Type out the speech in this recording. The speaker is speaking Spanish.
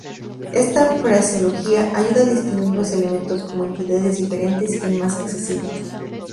Esta fraseología ayuda a distinguir los elementos como entidades diferentes y más accesibles.